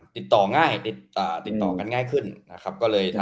ติดต่อกันง่ายขึ้นนะครับ